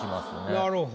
なるほど。